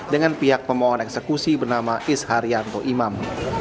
dengan pihak pemohon eksekusi bernama is haryanto imam